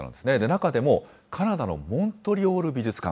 中でもカナダのモントリオール美術館。